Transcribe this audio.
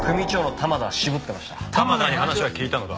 玉田に話は聞いたのか？